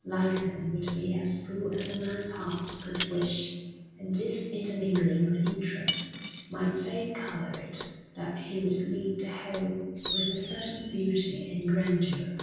Life then would be as full as a man's heart could wish; and this intermingling of interests might so colour it that he would lead the whole with a certain beauty and grandeur.